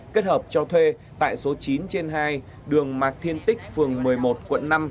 kết hợp cho thuê tại số chín trên hai đường mạng hồ chí minh